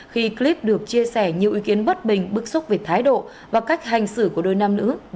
khi clip được chia sẻ nhiều ý kiến bất bình bức xúc về thái độ và cách hành xử của đôi nam nữ với cô gái mặc áo vàng